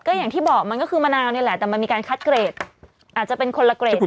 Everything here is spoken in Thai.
อย่างที่บอกมันก็คือมะนาวนี่แหละแต่มันมีการคัดเกรดอาจจะเป็นคนละเกรด